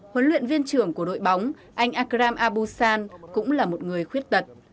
huấn luyện viên trưởng của đội bóng anh akram abusan cũng là một người khuyết tật